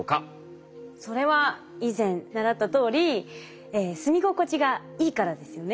それは以前習ったとおり住み心地がいいからですよね。